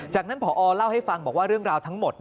จากนั้นพอเล่าให้ฟังบอกว่าเรื่องราวทั้งหมด